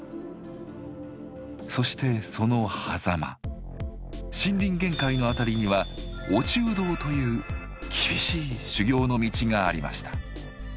そしてその狭間森林限界の辺りには厳しい修行の道がありました。